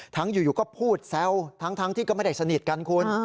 อยู่ก็พูดแซวทั้งที่ก็ไม่ได้สนิทกันคุณ